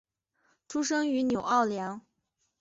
出生于纽奥良。